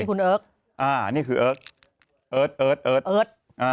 นี่คุณเอิ๊บอ่านี่คือเอิ๊บเอิ๊บเอิ๊บเอิ๊บ